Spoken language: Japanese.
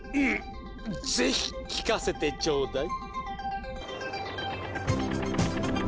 ぜひ聴かせてちょうだい。